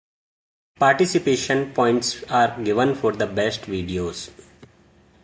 Participation points are given for the best videos.